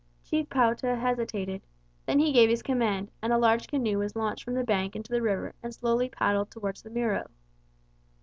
Chief Pouta hesitated. Then he gave his command, and a large canoe was launched from the bank into the river and slowly paddled towards the Miro.